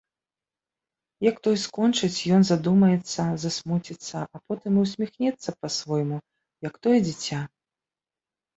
Як той скончыць, ён задумаецца, засмуціцца, а потым і ўсміхнецца па-свойму, як тое дзіця.